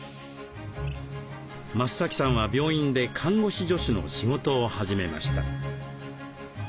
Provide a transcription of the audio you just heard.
増さんは病院で看護師助手の仕事を始めました。